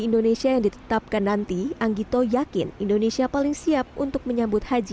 indonesia yang ditetapkan nanti anggito yakin indonesia paling siap untuk menyambut haji dua ribu dua puluh dua